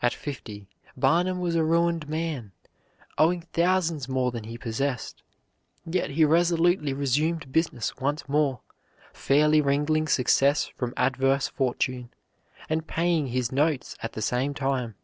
At fifty, Barnum was a ruined man, owing thousands more than he possessed, yet he resolutely resumed business once more, fairly wringing success from adverse fortune, and paying his notes at the same time.